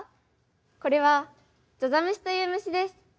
これはざざむしという虫です。